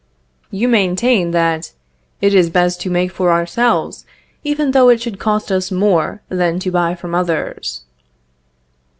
You maintain that "it is best to make for ourselves, even though it should cost us more than to buy from others."